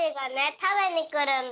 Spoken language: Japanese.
たべにくるんだよ。